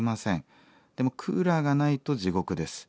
でもクーラーがないと地獄です。